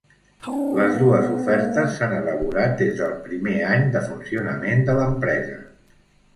Les dues ofertes s'han elaborat des del primer any de funcionament de l'empresa.